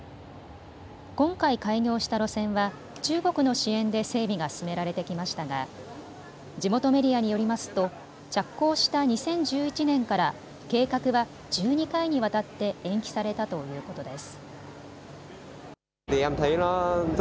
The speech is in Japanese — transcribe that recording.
今回、開業した路線は中国の支援で整備が進められてきましたが地元メディアによりますと着工した２０１１年から計画は１２回にわたって延期されたということです。